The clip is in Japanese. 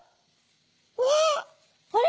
うわ！あれ？